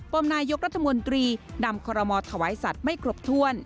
มนายกรัฐมนตรีนำคอรมอถวายสัตว์ไม่ครบถ้วน